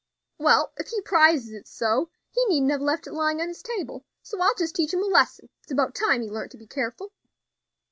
"Well, if he prizes it so, he needn't have left it lying on his table, and so I'll just teach him a lesson; it's about time he learnt to be careful."